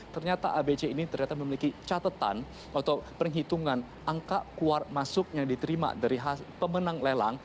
ternyata abc ini ternyata memiliki catatan atau perhitungan angka keluar masuk yang diterima dari pemenang lelang